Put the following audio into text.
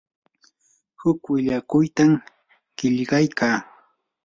huk willakuytam qillqaykaa.